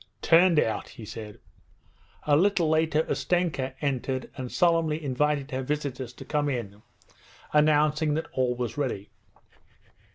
'Turned out,' he said. A little later Ustenka entered and solemnly invited her visitors to come in: announcing that all was ready.